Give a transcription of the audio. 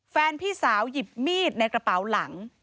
พี่สาวหยิบมีดในกระเป๋าหลัง